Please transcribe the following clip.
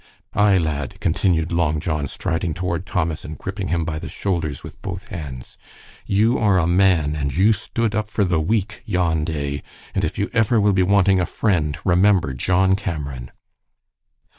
Ay, lad," continued Long John, striding toward Thomas and gripping him by the shoulders with both hands, "you are a man, and you stood up for the weak yon day, and if you efer will be wanting a friend, remember John Cameron."